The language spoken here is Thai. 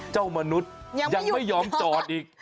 เจ้ามนุษย์ยังไม่ยอมจอดอีก